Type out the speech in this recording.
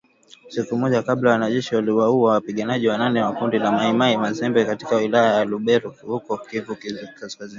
Siku moja kabla, wanajeshi waliwaua wapiganaji wanane wa kundi la Mai Mai Mazembe katika wilaya ya Lubero huko Kivu Kaskazini